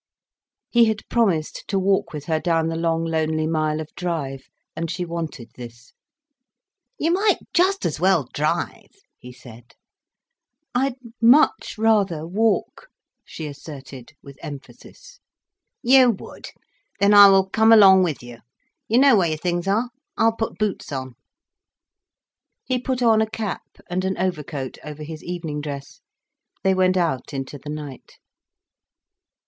He had promised to walk with her down the long, lonely mile of drive, and she wanted this. "You might just as well drive," he said. "I'd much rather walk," she asserted, with emphasis. "You would! Then I will come along with you. You know where your things are? I'll put boots on." He put on a cap, and an overcoat over his evening dress. They went out into the night.